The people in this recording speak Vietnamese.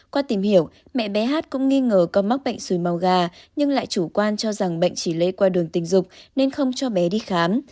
qua tìm hiểu mẹ bé hát cũng nghi ngờ con mắc bệnh xui màu gà nhưng lại chủ quan cho rằng bệnh chỉ lây qua đường tình dục nên không cho bé đi khám